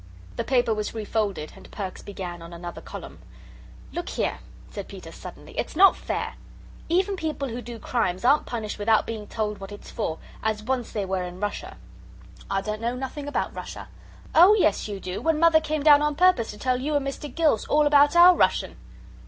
The paper was refolded and Perks began on another column. "Look here," said Peter, suddenly, "it's not fair. Even people who do crimes aren't punished without being told what it's for as once they were in Russia." "I don't know nothing about Russia." "Oh, yes, you do, when Mother came down on purpose to tell you and Mr. Gills all about OUR Russian."